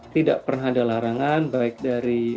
tidak pernah ada larangan baik dari